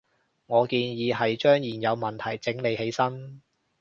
我建議係將現有問題整理起身